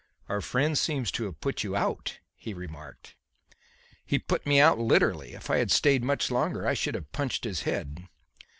"Our friend seems to have put you out," he remarked. "He put me out literally. If I had stayed much longer I should have punched his head."